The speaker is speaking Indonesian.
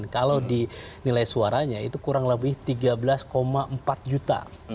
kalau di nilai suaranya itu kurang lebih tiga belas empat juta